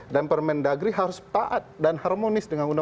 dan permendagri harus paat dan harmonis dengan undang undang